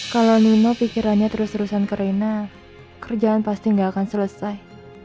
kalau nino pikirannya terus terusan ke rena kerjaan pasti gak akan selesai